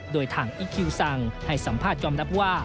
โดยทางอีคิวสั่งให้สัมภาษณยอมรับว่า